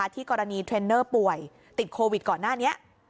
ที่กรณีเทรนเนอร์ป่วยติดโควิดก่อนหน้านี้